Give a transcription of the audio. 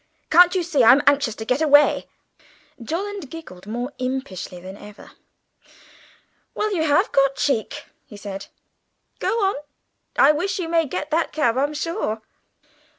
Can't you see I'm anxious to get away?" Jolland giggled more impishly than ever. "Well, you have got cheek!" he said. "Go on, I wish you may get that cab, I'm sure!"